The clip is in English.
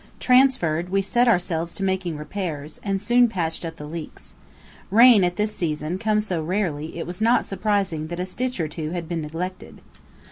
Transferred, we set ourselves to making repairs, and soon patched up the leaks. Rain at this season comes so rarely, it was not surprising that a stitch or two had been neglected.